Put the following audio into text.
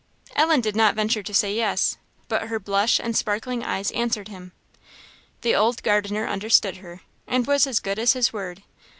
Ellen did not venture to say yes, but her blush and sparkling eyes answered him. The old gardener understood her, and was as good as his word.